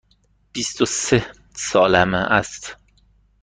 بیست و سه سالم است.